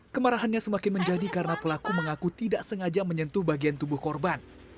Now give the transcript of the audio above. kemarahannya semakin menjadi karena pelaku mengaku tidak sengaja menyentuh bagian tubuh korban